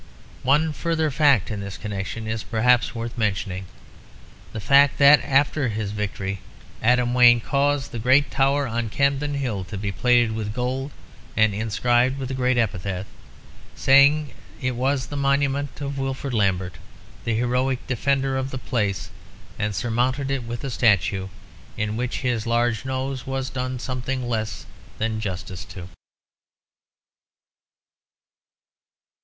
One further fact in this connection is perhaps worth mentioning the fact that, after his victory, Adam Wayne caused the great tower on Campden Hill to be plated with gold and inscribed with a great epitaph, saying that it was the monument of Wilfrid Lambert, the heroic defender of the place, and surmounted with a statue, in which his large nose was done something less than justice to.